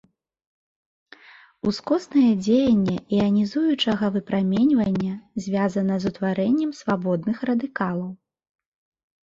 Ускоснае дзеянне іанізуючага выпраменьвання звязана з утварэннем свабодных радыкалаў.